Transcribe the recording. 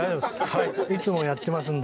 いつもやってますんで。